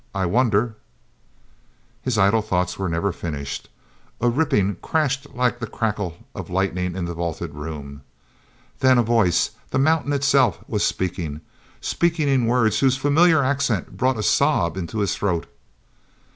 I wonder—" His idle thoughts were never finished. A ripping crash like the crackle of lightning in the vaulted room! Then a voice—the mountain itself was speaking—speaking in words whose familiar accent brought a sob into his throat.